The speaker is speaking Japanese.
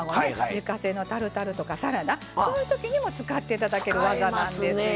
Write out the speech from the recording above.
自家製のタルタルとかサラダそういう時にも使って頂ける技なんですよ。